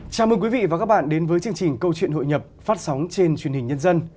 chào mừng quý vị và các bạn đến với chương trình câu chuyện hội nhập phát sóng trên truyền hình nhân dân